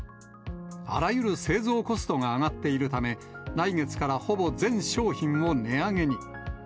あらゆる製造コストが上がっているため、来月からほぼ全商品を値上げに。